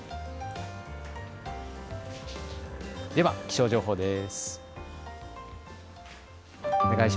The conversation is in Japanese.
では気象情報です。